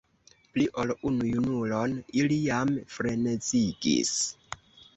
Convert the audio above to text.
Pli ol unu junulon ili jam frenezigis.